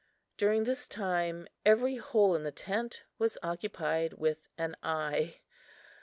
During this time every hole in the tent was occupied with an eye.